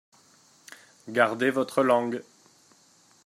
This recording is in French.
Gardez votre langue.